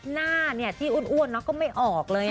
หน้าเนี่ยที่อ้วนเนาะก็ไม่ออกเลยอ่ะ